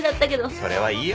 それはいいよ。